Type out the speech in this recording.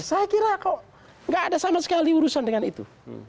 saya kira kok nggak ada sama sekali urusan dengan itu